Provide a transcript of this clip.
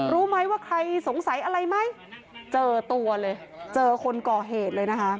รู้ไหมว่าใครสงสัยอะไรไหมเจอตัวเลยเจอคนก่อเหตุเลยนะคะ